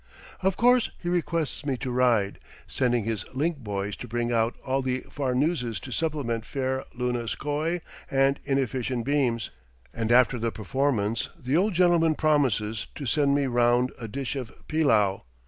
Of course he requests me to ride, sending his link boys to bring out all the farnoozes to supplement fair Luna's coy and inefficient beams; and after the performance, the old gentleman promises to send me round a dish of pillau.